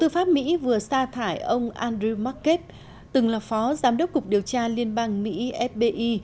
pháp mỹ vừa sa thải ông andrew mcket từng là phó giám đốc cục điều tra liên bang mỹ fbi